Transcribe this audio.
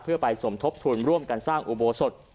เพื่อไปสมทบทุนร่วมกันสร้างอุโบสถ